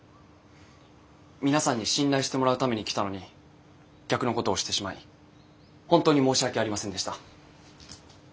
皆さんに信頼してもらうために来たのに逆のことをしてしまい本当に申し訳ありませんでした。